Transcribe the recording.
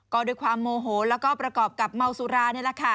ก็ด้วยความโมโหแล้วก็ประกอบกับเมาสุรานี่แหละค่ะ